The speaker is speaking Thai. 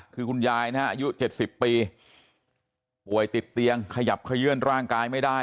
คือคุณยายนะฮะอายุ๗๐ปีป่วยติดเตียงขยับขยื่นร่างกายไม่ได้